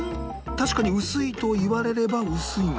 確かに薄いと言われれば薄いが